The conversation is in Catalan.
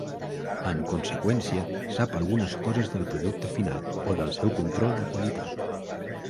En conseqüència, sap algunes coses del producte final o del seu control de qualitat.